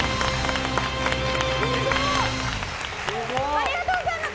ありがとうございます！